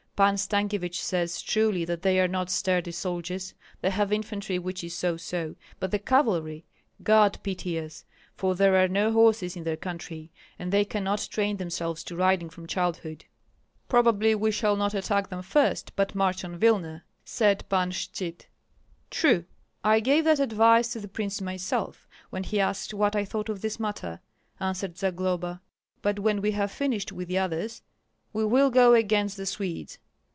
Pan Stankyevich says truly that they are not sturdy soldiers. They have infantry which is so so; but the cavalry God pity us! for there are no horses in their country, and they cannot train themselves to riding from childhood." "Probably we shall not attack them first, but march on Vilna," said Pan Shchyt. "True, I gave that advice to the prince myself, when he asked what I thought of this matter," answered Zagloba. "But when we have finished with the others, we will go against the Swedes.